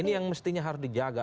ini yang mestinya harus dijaga